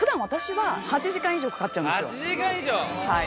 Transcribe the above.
はい。